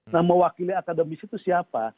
nah mewakili akademisi itu siapa